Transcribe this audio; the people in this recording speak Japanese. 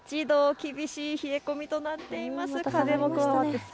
厳しい冷え込みとなっています。